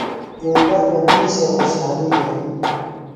ایند بھےۡ دِیشے خوۡشحالیۡ یھیلیۡ۔